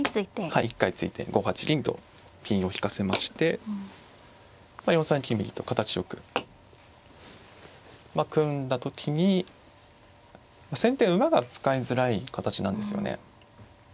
はい一回突いて５八銀と銀を引かせまして４三金右と形よくまあ組んだ時に先手馬が使いづらい形なんですよね。